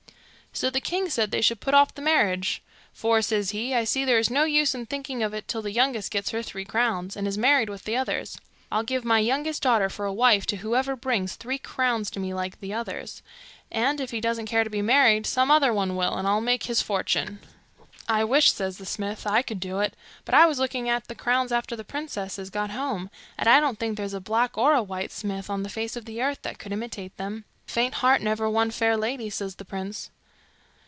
So the king said they should put off the marriage. 'For,' says he, 'I see there is no use in thinking of it till the youngest gets her three crowns, and is married with the others. I'll give my youngest daughter for a wife to whoever brings three crowns to me like the others; and if he doesn't care to be married, some other one will, and I'll make his fortune.' 'I wish,' says the smith, 'I could do it; but I was looking at the crowns after the princesses got home, and I don't think there's a black or a white smith on the face of the earth that could imitate them.' 'Faint heart never won fair lady,' says the prince.